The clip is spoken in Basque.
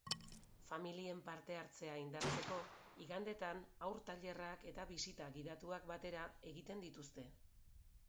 Familien partehartzea indartzeko, igandetan haur tailerak eta bisita gidatuak batera eginen dituzte.